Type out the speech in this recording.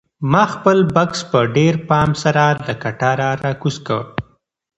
ما خپل بکس په ډېر پام سره له کټاره راکوز کړ.